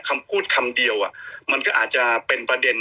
คำพูดคำเดียวมันก็อาจจะเป็นประเด็น